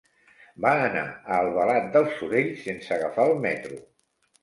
Va anar a Albalat dels Sorells sense agafar el metro.